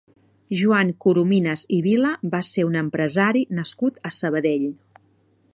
Joan Corominas i Vila va ser un empresari nascut a Sabadell.